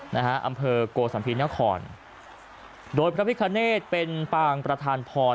นะฮะอำเภอโกสัมภีนครโดยพระพิคเนธเป็นปางประธานพร